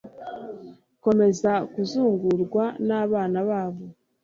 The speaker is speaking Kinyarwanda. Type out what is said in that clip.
bakomeza kuzungurwa n'abana babo